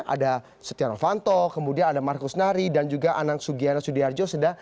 ada setia rofanto kemudian ada markus nari dan juga anang sugiharto